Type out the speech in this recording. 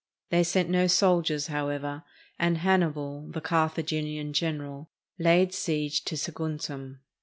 They sent no soldiers, however, and Hannibal, the Carthaginian general, laid siege to Saguntum.